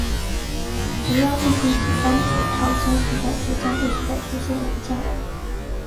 竹腰正信是安土桃山时代至江户时代初期的武将。